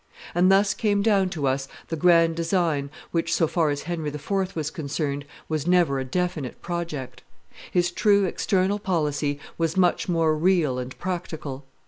And thus came down to us the grand design, which, so far as Henry IV. was concerned, was never a definite project. His true external policy was much more real and practical.